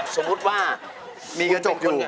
สมมุติว่ามีกระจกอยู่